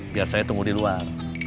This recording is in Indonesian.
biar saya tunggu di luar